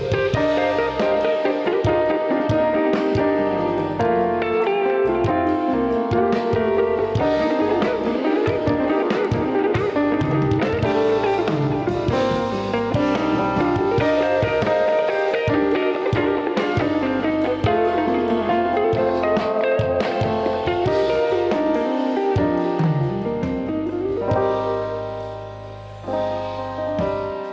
terima kasih banyak ibu